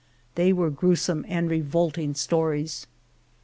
They were grewsome and revolting stories.